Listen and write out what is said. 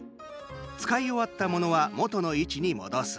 使い終わったものは元の位置に戻す。